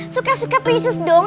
suka suka prinses dong